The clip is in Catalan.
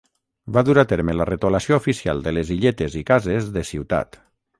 Va dur a terme la retolació oficial de les illetes i cases de Ciutat.